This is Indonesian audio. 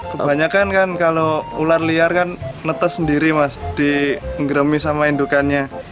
kebanyakan kan kalau ular liar kan netes sendiri mas dinggeremi sama indukannya